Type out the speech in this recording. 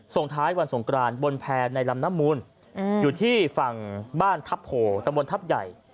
ส่งท้ายวันสงกรานบนแพร่ในลำน้ำมูลอยู่ที่ฝั่งบ้านทัพโพตำบลทัพใหญ่